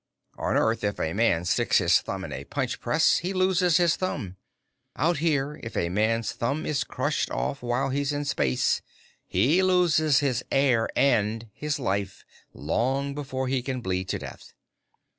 On Earth, if a man sticks his thumb in a punch press, he loses his thumb. Out here, if a man's thumb is crushed off while he's in space, he loses his air and his life long before he can bleed to death.